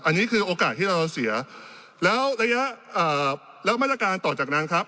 อันนี้คือโอกาสที่เราจะเสียแล้วระยะแล้วก็มาตรการต่อจากนั้นครับ